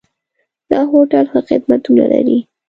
دا هوټل ښه خدمتونه لري.